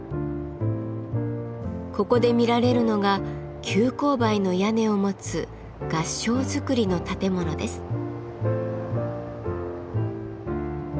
ここで見られるのが急勾配の屋根を持つ合掌造りの建物です。